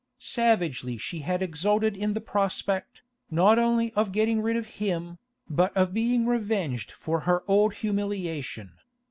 Savagely she had exulted in the prospect, not only of getting rid of him, but of being revenged for her old humiliation.